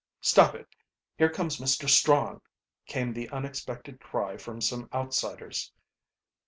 "Stop it here comes Mr. Strong!" came the unexpected cry from some outsiders.